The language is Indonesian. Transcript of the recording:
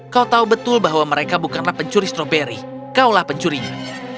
kau tahu betul bahwa mereka bukanlah pencuri stroberi kaulah pencurinya